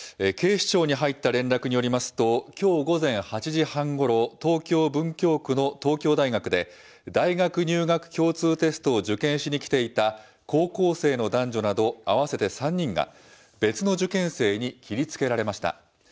警視庁に入った連絡によりますと、きょう午前８時半ごろ、東京・文京区の東京大学で、大学入学共通テストを受験しに来ていた高校生の男女など合わせて３人が、別の受験生に切りつけられました。